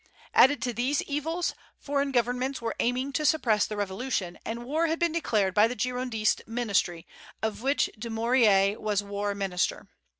Added to these evils, foreign governments were arming to suppress the Revolution, and war had been declared by the Girondist ministry, of which Dumouriez was war minister.